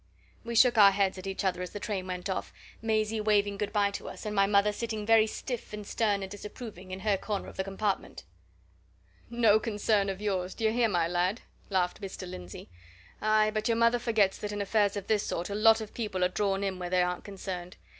We shook our heads at each other as the train went off, Maisie waving good bye to us, and my mother sitting very stiff and stern and disapproving in her corner of the compartment. "No concern of yours, d'ye hear, my lad?" laughed Mr. Lindsey. "Aye, but your mother forgets that in affairs of this sort a lot of people are drawn in where they aren't concerned!